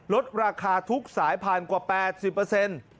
ลดราคาทุกสายพันธุ์กว่า๘๐เปอร์เซ็นต์